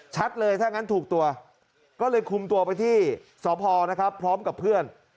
ชัดเลยถ้างั้นถูกตัวก็เลยคุมตัวไปที่สพนะครับพร้อมกับเพื่อน